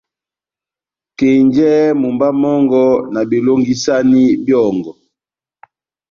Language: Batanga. Kenjɛhɛ mumba mɔngɔ, na belongisani byɔ́ngɔ,